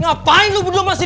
ngapain lu berdua masih disini